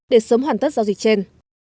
để sớm hoàn tất giao dịch trên